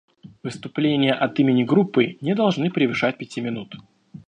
Выступления от имени группы не должны превышать пяти минут.